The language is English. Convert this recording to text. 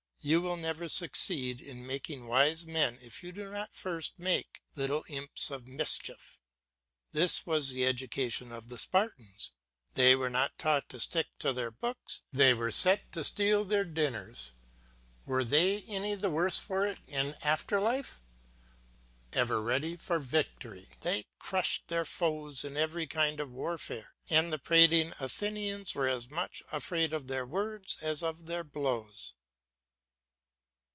You will never succeed in making wise men if you do not first make little imps of mischief. This was the education of the Spartans; they were not taught to stick to their books, they were set to steal their dinners. Were they any the worse for it in after life? Ever ready for victory, they crushed their foes in every kind of warfare, and the prating Athenians were as much afraid of their words as of their blows.